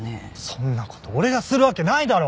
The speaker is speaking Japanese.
そんな事俺がするわけないだろ！